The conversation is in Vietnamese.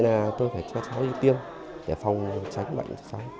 là tôi phải cho cháu đi tiêm để phòng bệnh